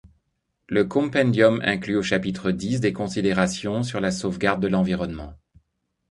Le Compendium inclut au chapitre X des considérations sur la sauvegarde de l'environnement.